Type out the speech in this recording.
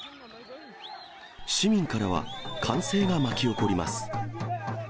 市民からは歓声が巻き起こります。